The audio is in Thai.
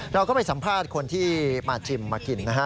เราก็ไปสัมภาษณ์คนที่มาชิมมากินนะฮะ